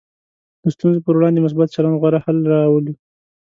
د ستونزو پر وړاندې مثبت چلند غوره حل راولي.